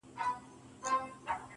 د ښار په جوارگرو باندي واوښتلې گراني .